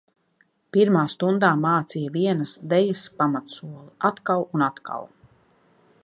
Pirmā stundā mācīja vienas dejas pamatsoli, atkal un atkal.